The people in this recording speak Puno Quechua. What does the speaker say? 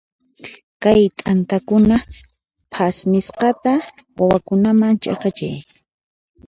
Kay t'antakuna phasmisqata wawakunaman ch'iqichiy.